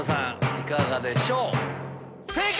いかがでしょう。